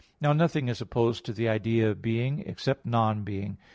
Now nothing is opposed to the idea of being except non being.